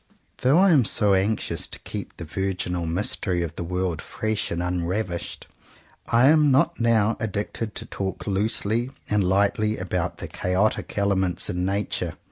Though I am so anxious to keep the virginal mystery of the world fresh and unravished, I am not now addicted to talk loosely arid lightly about the "chaotic element in Nature."